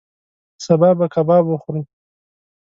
سبا به کباب وخورو